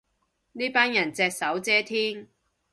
呢班人隻手遮天